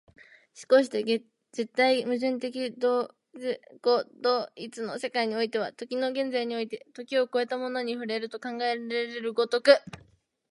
而して絶対矛盾的自己同一の世界においては、時の現在において時を越えたものに触れると考えられる如く、